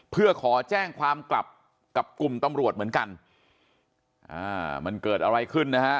เพื่อขอแจ้งความกลับกับกลุ่มตำรวจเหมือนกันอ่ามันเกิดอะไรขึ้นนะฮะ